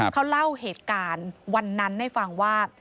เขาเล่าเหตุการณ์วันนั้นให้ฟังว่า